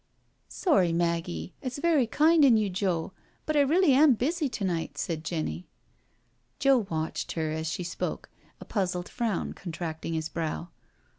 " Sorry, Maggie— it's very kind in you, Joe, but I really am busy to night," said Jenny, Joe watched her as she spoke, a puzzled frown contracting his brow.